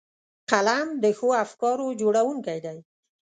قلم د ښو افکارو جوړوونکی دی